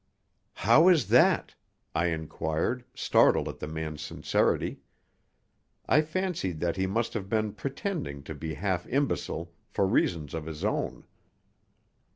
"How is that?" I inquired, startled at the man's sincerity. I fancied that he must have been pretending to be half imbecile for reasons of his own.